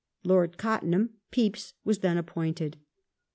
Lord Cottenham (Pepys) was then appointed.